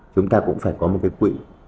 chúng ta cũng phải có một cái quỹ